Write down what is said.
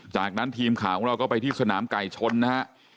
จากนั้นทีมข่าวของเราก็ไปที่สนามไก่ชนนะฮะ